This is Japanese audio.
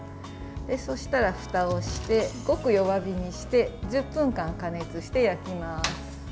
そうしたら、ふたをしてごく弱火にして１０分間加熱して焼きます。